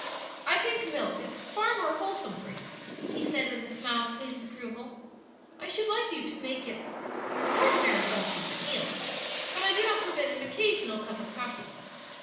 "I think milk is far more wholesome for you," he said, with a smile of pleased approval. "I should like you to make that your ordinary beverage at meals, but I do not forbid an occasional cup of coffee."